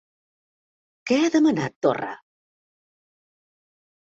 Què ha demanat Torra?